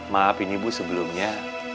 maaf ini bu sebelumnya